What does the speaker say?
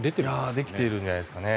できているんじゃないんですかね。